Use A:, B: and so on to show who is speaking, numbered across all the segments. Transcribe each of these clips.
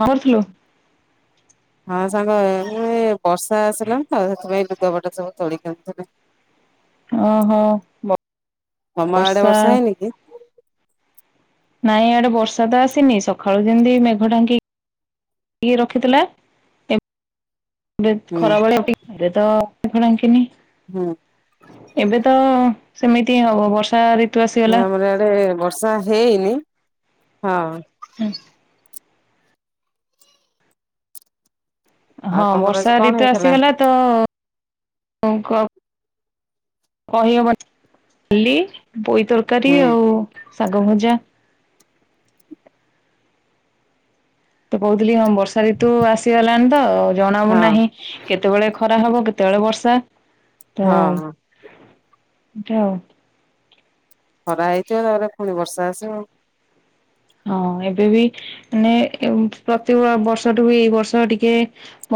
A: କଣ କରୁଥିଲୁ?
B: ସାଙ୍ଗ ମୁଁ ଏ ବର୍ଷା ଆସିଲାଣିି ତ ସେଥିପାଇଁ ଲୁଗାପଟା ସବୁ ତୋଳି କି ଆଣୁଥିଲି।
A: ଓହୋ।
B: ତମ ଆଡେ ବର୍ଷା ହେଇନି କି?
A: ନାଇଁ ଆଡେ ବର୍ଷା ତ ଆସିନି ସକାଳୁ ଯେମିତି ମେଘ ଢାଙ୍କି ହେଇକି କି ରଖିଥିଲା ଏ ଖରା ଭଳିଆ ଅପେକ୍ଷାରେ ତ [unintelligible] ଏବେ ତ ସେମିତି ହିଁ ହବ ବର୍ଷା ଆସିଗଲା
B: ଆମର ଆଡେ ବର୍ଷା ହେଇନି। ହଁ।
A: [inaudible] ହଁ ବର୍ଷା ଋତୁ ଆସିଗଲା ତଅ। କହି ହବନି। ପୋଇ ତରକାରୀ ଆଉ ଶାଗଭଜା। ତ କହୁଥିଲି [unintelligible] ବର୍ଷା ରିତୁ ଆସିଗଲାଣି ତ ଜଣବୁ ନାହିଁ କେତେବେଳେ ଖରା ହବ। କେତେବେଳେ ବର୍ଷା।
B: ହଁ ହଁ।
A: ଯାଉ।
B: ଖରା ହେଇଥିବ ତାପରେ ପୁଣି ବର୍ଷା। ଆସ।
A: ହଁ ଏବେ ବି ମାନେ ପ୍ରତି ବର୍ଷଠୁ ବି ଏଇ ବର୍ଷ ଟିକେ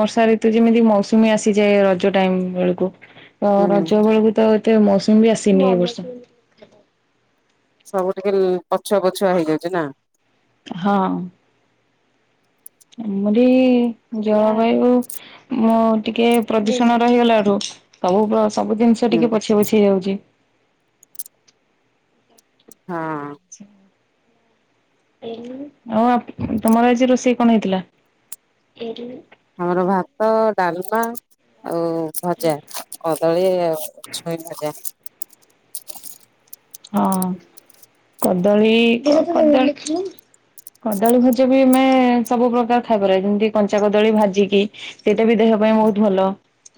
A: ବର୍ଷା ଋତୁ ଯେମିତି ମୌସୁମୀ ଆସିଯାଏ, ରଜ ଟାଇମ ବେଳକୁ। ତ ରଜ ବେଳକୁ ତ। ତ ମୌସମ ବି ଆସି ନି ଏ ବଷ।
B: ସବୁ ଟିକେ ପଛୁଆ ପଛୁଆ ହେଇଯାଉଛି ନା।
A: ହଁ। ଆମରି ଜଳବାୟୁ ମୁ ଟିକେ ପ୍ରଦୂଷଣ ରହିଗଲାରୁୁ ସବୁ ସବୁ ଜିନିଷ ଟିକେ ପଛେ ପଛେ ହେଇ ଯାଉଛି।
B: ହଁ।
A: ଆଉ ତମର ଆଜି ରୋଷେଇ କଣ ହେଇଥିଲା?
B: ଆମର ଭାତ ଡାଲମା। ଆଉ ଭଜା, କଦଳୀ ଆଉ ଛୁଇଁ ଭଜା।
A: ହଁ କଦଳୀ କଦଳୀ ଭଜା ବି ଆମେ ସବୁ ପ୍ରକାର ଖାଇପାର ଯେମିତି କଞ୍ଚା କଦଳୀ ଭାଜିକି ଏଟେ ବି ଦେହ ପାଇଁ ବହୁତ ଭଲ।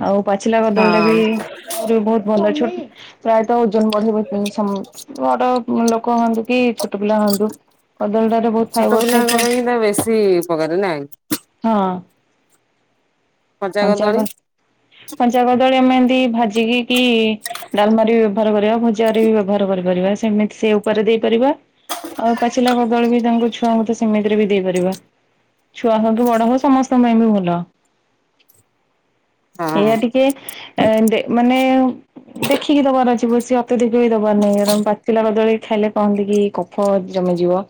A: ହଉ। ପାଚିଲା କଦଳଟା ବି ଆହୁ ବି ବହୁତ ଭଲ ଛୋଟ ପ୍ରାୟତ ଓଜନ ବଢିବ ତିନି କହନ୍ତୁ କି ଛୋ ପିଲ ହୁନ୍ତୁ କଦଳୀ ଟରେ ବହୁତ ଫାଇବର ଥାଏ ତ ହଁ। ପଞ୍ଚାଗ, କଞ୍ଚା କଦଳୀ। ଟିକେ ଭାଜିକି କି ଡାଲମାରି। [unintelligible] ଘର କରିପାରିବା ସେମିତି ସେ ଉପରେ ଦେଇପାରିବା ଆଉ ପାଚିଲାଖ ଦଳ ବି ତାଙ୍କୁ ଛ ଛୁଆଙ୍କୁ ତ ସେମିତିରେ ବି ଦେଇପାରିବା। ଛୁଆ ହଉ ତ ବଡ ହଉ ସମସ୍ତଙ୍କ ପାଇଁ ବି ଭଲ। ଏଇଆ ଟିକେ ଏ ମାନେ ଦେଖିକି ତ କରଛିିବ ବ ସ ଅତେ ଦେଖିବ। ଦବାର ନାହିଁ କାରଣ ପାଚିଲା କଦଳୀ ଖାଇଲେ କହନ୍ତି କି କଫ ଜମିଯିବ।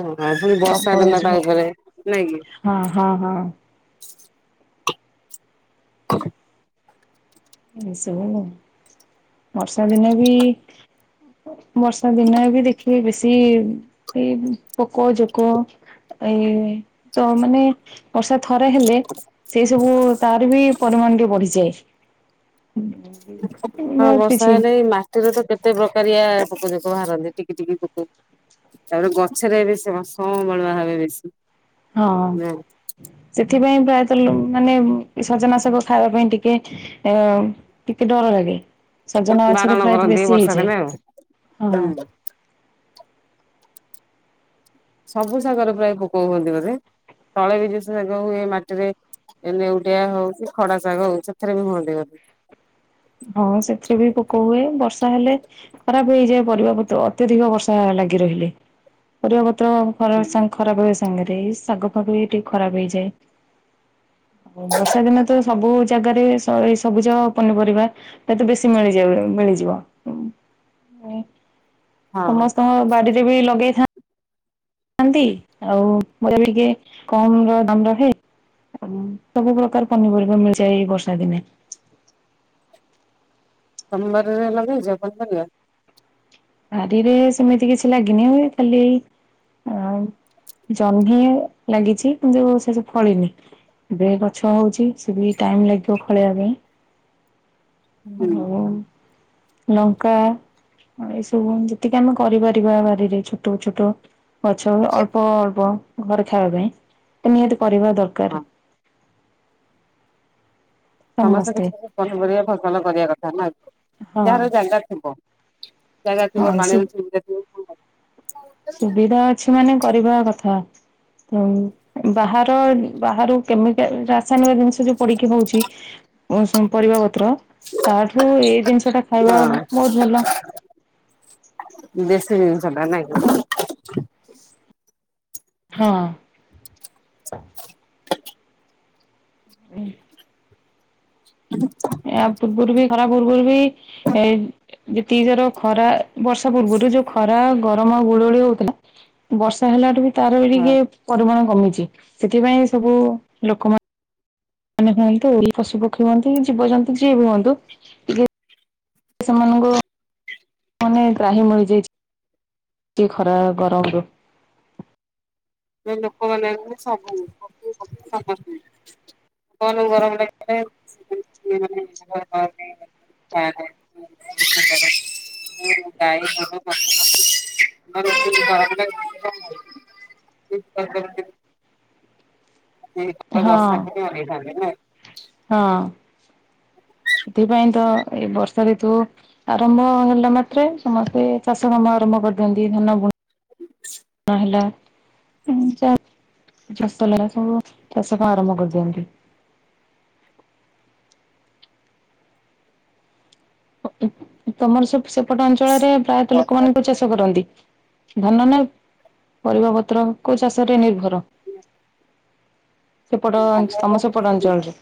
B: ହଁ ପୁଣି
A: କଫ
B: ବର୍ଷା ଦିନ
A: ହେଇଯିବ
B: ତାପରେ ନାଇଁ
A: ହଁ
B: କି
A: ହଁ ହଁ
B: [inaudible]
A: ମିଶିବୁ ହେଲା। ବର୍ଷା ଦିନେ ବି ବର୍ଷା ଦିନ ବି ଦେଖିବେ ବେଶୀ ଏଇ ପୋକ ଜୋକ ଏ ତ ମାନେ ବର୍ଷା ଥରେ ହେଲେ ସେଇ ସବୁ ତାର ବି ପରିମାଣ ଟିକେ ବଢିଯାଏ। ହୁଁ।
B: ହଁ ବର୍ଷା ହେଲେ ଏଇ ମାଟିର ତ କେତେ ପ୍ରକାର ୟଆ ପୋକ ଜୋକ ବାହାରନ୍ତି। ଟିକେ ଟିକେ ପୋକ ତାପରେ ଗଛରେ ବ ସେ ସମ୍ବାଳୁଆ ଭାବେ ବେଶୀ।
A: ହଁ ସେ ଏଥିପାଇଁ ପ୍ରାୟତଃ ମାନେ ସଜନାଶକ ଖାଇବା ପାଇଁ ଟିକେ ଟିକେ ଅ ଟିକେ ଡର ଲାଗେ। ସଜନା ଗଛରେ ପ୍ରାୟତ ବେଶୀ ହେଇଯାଏ [inaudible] ହଁ।
B: ସବୁ ଶାଗରେ ପ୍ରାୟ ପୋକ ହୁଅନ୍ତି। ବୋଧେ ତଳେ ବିଜଷ ଶାଗ ହୁଏ ମାଟିରେ ନେଉଟିଆ ହଉଛି ଖଡା ଶାଗ ହଉଛି ସେଥିରେ ବି ହୁଅନ୍ତି ବୋଧେ
A: ହଁ ସେଥିରେ ବି ପୋକ ହୁଏ। ବର୍ଷା ହେଲେ ଖରାପ ହେଇଯାଏ। ପରିବାତ୍ତ ଅତ୍ୟଧିକ ବର୍ଷା ଲାଗି ରହିଲେ ପରିବା [unintelligible] ସାଙ୍ଗରେ ଶାଗ ଫାଗ ବି ଟିକେ ଖରାପ ହେଇଯାଏ। ଆଉ ବର୍ଷା ଦିନ ତ ସବୁ ଜାଗାରେ ଏଇ ସବୁ ଯାଗ ପନିପରିବା ତା ତେ ବେଶୀ ମିଳିଯ ମିଳିଯିବ। [inaudible] ସମସ୍ତଙ୍କ ବାଡିରେ ବି ଲଗେଇଥାନ୍ତି। ନ୍ତି ଆଉ ମ ଟିକେ କମ ର ଦାମ ରହେ। ସବୁ ପ୍ରକାର ପନିପରିବା ମିଳିଯାଏ। ଏ ବର୍ଷା ଦିନେ
B: ତମ ବାରିରେ ଲଗେଇଛ ପନିପରିବା।
A: ବାରିରେ ସେମିତି କିଛି ଲାଗିନିଏ ଖାଲି ଜହ୍ନି ଲାଗିଛି କିନ୍ତୁ ସେ ସବୁ ଫଳିନି। ଏବେ ଗଛ ହଉଛି ସେ ବି ଟାଇମ ଲାଗିବ ଫଳିଇବା ପାଇଁ। ହଁ। ଲଙ୍କା ଯେତିକି ଆମେ କରିପାରିବା ବାରିରେ ଛୋଟ ଛୋଟ ଗଛର ଅଳ୍ପ ଅଳ୍ପ ଘର ଖାଇବା ପାଇଁ ନିହାତି ପରିବା ଦରକାର?
B: ସମସ୍ତେ କିଛି ପନିପରିବା ଫସଲ କରିବା କଥା ନା ଆ।
A: ହଁ
B: ଯହାର ଜାଗା ହଁ। [inaudible] ଜାଗା
A: ହଁ
B: ଥିବ, ପାଣି ଅସୁବିଧା ଥିବ।
A: ସୁବିଧା ଅଛି ମାନେ କରିବା କଥା ବାହାର ବାହର। [unintelligible] ସାନ ଜିନିଷ ଯୋଉ ପଡିକି ହଉଛି। ଓ ହୋ ପରିବାପତ୍ର। ତାଠୁ ଏଇ ଜିନିଷ ଟା ଖାଇବା ବହୁତ ଭଲ।
B: ସେ। [unintelligible]
A: ହଁ। ହଁ। ଆ ପୂର୍ବରୁବି ଖରା ପୂର୍ବରୁ ବି ଏ ଯେତିକି ଯର ଖରା ବର୍ଷା ପୂର୍ବରୁ ଯୋଉ ଖରା ଗରମ ଗୁଳୁ ଗୁଳି ହଉଥିଲା ବର୍ଷା ହେଲାଠୁ ତାର ବି ଟିକେ ପରିମାଣ କମିଛି ସେଥିପାଇଁ ସବୁ ଲୋକମାନେ ହୁଅନ୍ତୁ ପଶୁ ପକ୍ଷୀ ହୁଅନ୍ତି ଜୀବଜନ୍ତୁ ଯିଏ ହୁଅନ୍ତୁ ଟ ସେମାନଙ୍କୁ ମାନେ ତ୍ରାହି ମିଳିଯାଇଛି ଖରା ଗରମରୁୁ।
B: ଲୋକମାନେ। [unintelligible] [unintelligible] [inaudible] [inaudible] ସେଇ
A: ହଁ
B: ବର୍ଷା କୁ ହିଁ ଅନେଇଥାନ୍ତି ନା?
A: ହଁ ସେଥିପାଇଁ ତ ଏଇ ବର୍ଷା ଋତୁ ଆରମ୍ଭ ହେଲା ମାତ୍ରେ ସମସ୍ତେ ଚାଷ କାମ ଆରମ୍ଭ କରିଦିଅନ୍ତି। ଧାନ ବୁଣ ନହେଲା। ଚାଷ ହେଲା ସବୁ ଚାଷ କାମ ଆରମ୍ଭ କରିଦିଅନ୍ତି। [unintelligible] ତମର ସବୁ ଏପଟ ଅଞ୍ଚଳରେ ପ୍ରାୟତଃ ଲୋକ ମାନଙ୍କୁ ଚାଷ କରନ୍ତି। ଧାନ ନା ପରିବା ପତ୍ର କୋଉ ଚାଷରେ ନିର୍ଭର? ସେପଟ ତମ ସେପଟ ଅଞ୍ଚଳରେ।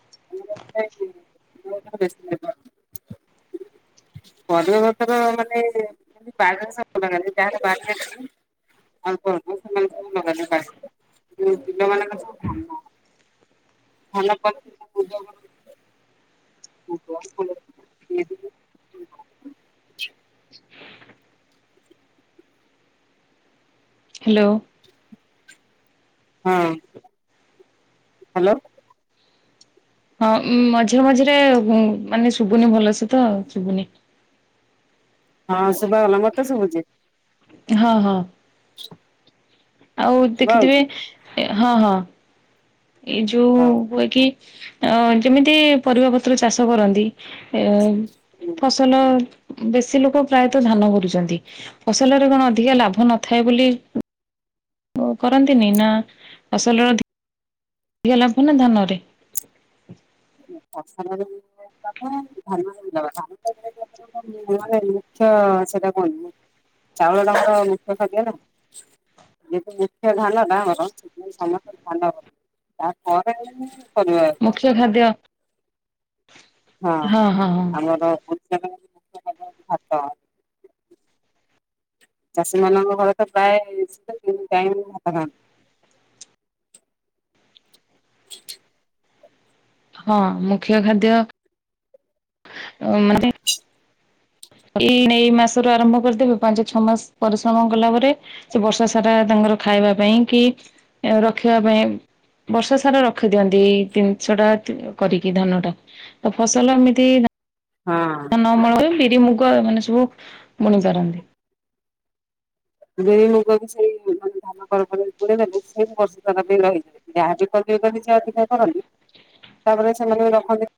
B: [unintelligible] ହୁଁ ପିଲ ମାନ କ। [inaudible] [unintelligible] [unintelligible]
A: ହ୍ୟାଲୋ।
B: ହଁ ହ୍ୟାଲୋ।
A: ହଁ ମଝିରେ ମଝିରେ ମାନେ ଶୁଭୁନି ଭଲସେ ତ ଶୁଭୁନି
B: ହଁ ଶୁଭା ଗଲା ମତେ ଶୁଭୁଛି।
A: ହଁ ହଁ। ଆଉ ଦେଖିଥିବେ ହଁ ହଁ। ଏଇ ଯୋଉ ହୁଏ କି ଅ ଯେମିତି ପରିବା ପତ୍ର ଚାଷ କରନ୍ତି ଏ ଫସଲ ବେଶୀ ଲୋକ ପ୍ରାୟତଃ ଧାନ କରୁଚନ୍ତି। ଫସଲରେ କଣ ଅଧିକା ଲାଭ ନଥାଏ ବୋଲି କରନ୍ତିନି ନା ଫସଲର ଅଧିକା ଲାଭ ନା ଧାନରେ?
B: ମାନେ ମୁଖ୍ୟ ସେଟା କୁହନ୍ତି। ଚାଉଳଟା ଆମର ମୁଖ୍ୟ ଖାଦ୍ୟ ନା। ଯେମିତି ମୁଖ୍ୟ ଧାନଟା ସେଥିପାଇଁ ସମସ୍ତେ ଧାନ କରନ୍ତି। ତାପରେ ଯାଇ
A: ମୁଖ୍ୟ ଖାଦ୍ୟ।
B: ହଁ
A: ହଁ ହଁ
B: ଆମର ଚାଷୀ ମାନଙ୍କ ଘରେ ତ ପ୍ରାୟେ ସେ ତିନି ଟାଇମ୍ ତ ଭାତ ଖାଆନ୍ତି।
A: ହଁ ମୁଖ୍ୟ ଖାଦ୍ୟ ଓ ମାନେ ଏଇ ଏଇ ମାସରୁ ଆରମ୍ଭ କରିଦେବେ ପାଞ୍ଚ ଛଅ ମାସ ପରିଶ୍ରମ କଲା ପରେ ସେ ବର୍ଷ ସାରା ତାଙ୍କର ଖାଇବା ପାଇଁ କି ରଖିବା ପାଇଁ ବର୍ଷ ସାରା ରଖିଦିଅନ୍ତି ଏଇ ଜନିଷ ଟା କରିକି ଧାନଟା। ତ ଫସଲ ଏମିତି ଧାନ ଅମଳ ହୁଏ। ବିରି, ମୁଗ ଏମାନେ ସବୁ ବୁ ବୁଣି ପାରନ୍ତି।
B: ବିରି ମୁଗ ବି ସେଇ ମାନେ ଧାନ ପରେ ପରେ ବୁଣିଦେଲେ ସେ ବି ବର୍ଷ ସାରା ପାଇଁ ରହିଯାଏ। ଯାହା ବିି କରିବ କଲେ ସେ ଅଧିକା କରନ୍ତି ତାପରେ ସେମାନେ ବି ରଖନ୍ତି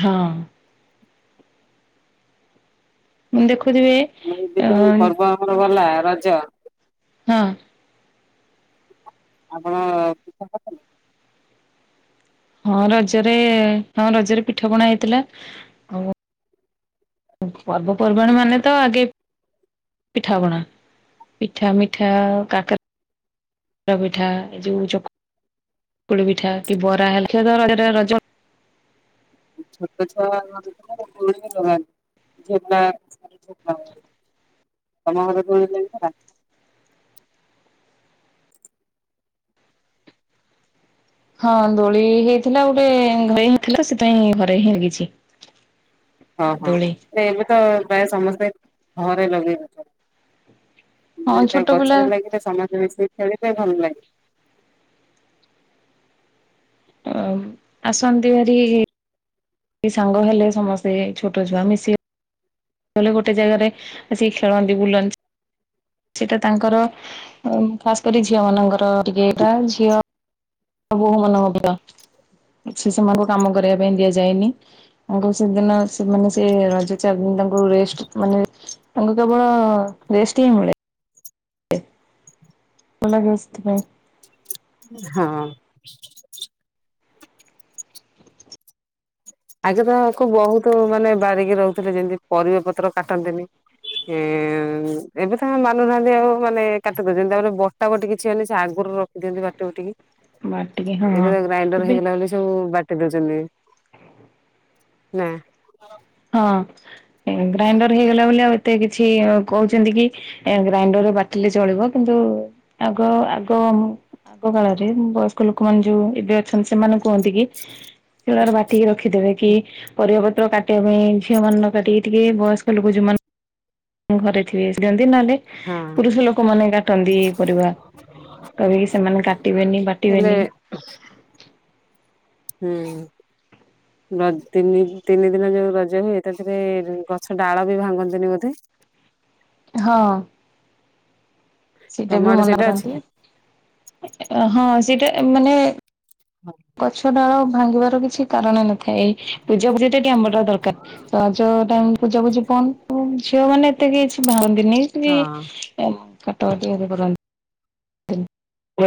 A: ହଁ। ମୁଁ ଦେଖୁ ଖୁଥିବେ ଆନ୍
B: ରଜ।
A: ହଁ।
B: ଆପଣ ପିଠା କରିଥିଲେ?
A: ହଁ ରଜରେ ହଁ ରଜରେ ପିଠା ପଣା ହେଇଥିଲା। ଆଉ ପର୍ବପର୍ବାଣି ମାନେ ତ ଆଗେ ପିଠାପଣା। ପିଠା ମିଠା କାକରା ପିଠା ଏ ଯୋଉ ଚକୁଳି ପିଠା କି ବରା ହେଲା ଜାଣିଥିବ ତ ରଜଟା ରଜ ଭଳିଆ
B: ଛୋଟଛୁଆ [unintelligible] [unintelligible] ତମ ଘର ପୁଣି କେନ୍ଦରା?
A: ହଁ ଦୋଳି ହେଇଥିଲା ଗୋଟେ ଘରେ ହେଇଥିଲା। ସେଥିପାଇଁ ଘରେ ହିଁ ଲାଗିଛି।
B: ହଁ ହଁ।
A: ଦୋଳି।
B: ସେ ଏମି ତି ତ ପ୍ରାୟ ସମସ୍ତେ ଘରେ ଲଗେଇ
A: ହଁ
B: ନଥିଲେ। ଟ
A: ଛୋଟ ପିଲା
B: ଗଛରେ ଲାଗିଲେ ସମସ୍ତେ ମିଶିକି ଖେଳିବେ ଭଲ ଲାଗେ।
A: ଆଉ ଆସନ୍ତି ଭାରି ସେଇ ସାଙ୍ଗ ହେଲେ ସମସ୍ତେ ଛୋଟ ଛୁଆ ମିଶିଲେ ଲେ ଗୋଟେ ଜାଗାରେ ମିଶିକି ଖେଳନ୍ତି ବୁଲନ୍ତି। ସେଇଟା ତାଙ୍କର ଖାସ କରି ଝିଅ ମାନଙ୍କର ଟିକେ ଏଇଟା ଝିଅ ବୋହୂ ମାନଙ୍କ ଦିନ। ସେ ସେମାନଙ୍କୁ କାମ କରିବା ପାଇଁ ଦିଆଯାଏନି। ତାଙ୍କୁ ସେଦିନ ସେମାନେ ସେ ରଜ ଚାରି ଦିନ ତାଙ୍କୁ ରେଷ୍ଟ ମାନେ ତାଙ୍କୁ କେବଳ ରେଷ୍ଟ ହିଁ ମିଳେ। କଲାଗସ୍ଥି ଭ
B: ହଁ।
A: [inaudible]
B: ଆଗେ ତକୁ ବହୁତ ମାନେ ବାରିକି ରହୁଥିଲେ ଯେମିତି ପରିବା ପତ୍ର କାଟନ୍ତିନି ଏବେ ତ ମାନୁନାହାନ୍ତି ଆଉ ମାନେ କାଟତି ଯେମିତି ତାପରେ ବଟା ବଟି କିଛିନି ସେ ଆଗରୁ ରଖିଦିଅନ୍ତି ବାଟି ବଟିକି।
A: ବାଟିକି ହଁ
B: ଏବେ ଗ୍ରାଇଣ୍ଡର
A: ଏବେ
B: ହେଇଗଲା ବୋଲି ସବୁ ବାଟି ଦଉଛନ୍ତି। ନା।
A: ହଁ ଗ୍ରାଇଣ୍ଡର ହେଇଗଲା ବୋଲି ଆଉ ଏତେ କିଛି କହୁଛନ୍ତି କି ଗ୍ରାଇଣ୍ଡର ବାଟିଲେ ଚଳିବ କିନ୍ତୁ ଆଗ ଆଗ ଆଗ କାଳରେ ବୟସ୍କ ଲୋକମାନେ ଯୋଉ ଏବେ ଅଛନ୍ତି ସେମାନେ କୁହନ୍ତି କି। ଶିଳରେ ବାଟିକି ରଖିଦେବେ କି ପରିବା [inaudible] କାଟିବା ପାଇଁ ଝିଅ ମାନେ ନ କାଟିକି ଟିକେ ବୟସ୍କ ଲୋକ ଯଉମାନେ ଘରେ ଥିବେ। ନ ହେଲେ ପୁରୁଷ ଲୋକମାନେ କାଟନ୍ତି ଏ ପରିବା କହିକି ସେମାନେ କାଟିବେନି ବାଟିବେନି।
B: ହୁଁ ତିନି ତିନି ଦିନ ଯୋଉ ରଜ ହୁଏ ତାଥିରେ ଗଛ ଡାଳ ବି ଭାଙ୍ଗନ୍ତିନି ବୋଧେ।
A: ହଁ। ସେଇଟା ବି ମନଅ କରନ୍ତି ହଁ ସେଇଟା। ମାନେ। ଗଛଡାଳ। ଭାଙ୍ଗିବାର କିଛି କାରଣ ନ। ପୂଜାପୂଜି ଟ ଟିକ ଆମ୍ବର ଦରକାର ତ ଯ ଟାଇମ ପୂଜା ପୂଜି ପ ଝିଅ ମାନେ ଏତେ କି। ଭା [inaudible] ଦିନି କି ବି। କାଟବାଟି ଏ [inaudible] [inaudible]
B: [inaudible]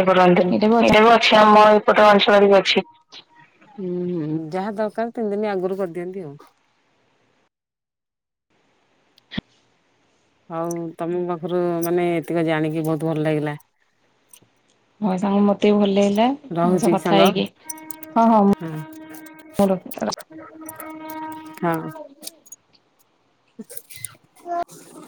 A: ବି କଥା
B: ଏଇଟାକୁ ଅଛି ଆମ ଏଇପଟ ଅଞ୍ଚଳରେ ବି ଅଛି। ହୁଁ ହୁଁ ଯାହା ଦରକାର ତିନି ଦିନ ଆଗରୁ କରିଦିଅନ୍ତି ଆଉ। ହଉ ତମ ପାଖରୁ ମାନେ ଏତିକ ଜାଣିକି ବହୁତ ଭଲ ଲାଗିଲା।
A: ହଁ ସାଙ୍ଗ ମତେ ବି ଭଲ ଲାଗିଲା ତମ ସହ କଥା ହେଇକି ହଁ ହଁ।
B: [inaudible]
A: [unintelligible]
B: [inaudible]